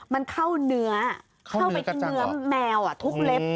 มันเข้าเนื้อแมวทุกเล็บ